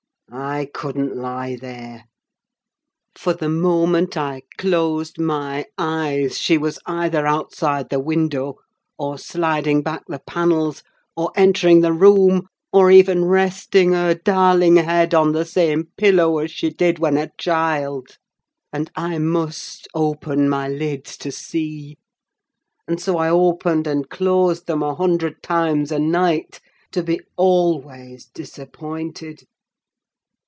I couldn't lie there; for the moment I closed my eyes, she was either outside the window, or sliding back the panels, or entering the room, or even resting her darling head on the same pillow as she did when a child; and I must open my lids to see. And so I opened and closed them a hundred times a night—to be always disappointed!